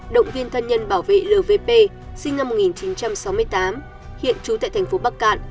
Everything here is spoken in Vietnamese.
động viên thân nhân bảo vệ lvp sinh năm một nghìn chín trăm sáu mươi tám hiện trú tại thành phố bắc cạn